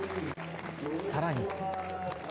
さらに。